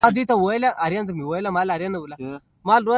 کور به وران د ابوجهل زموږ زړونه په ساړه وي